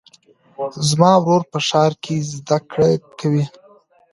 زما ورور په ښار کې زده کړې کوي.